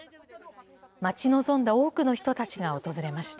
待ち望んだ多くの人たちが訪れました。